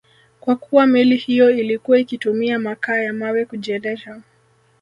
Kwa kuwa meli hiyo ilikuwa ikitumia makaa ya mawe kujiendesha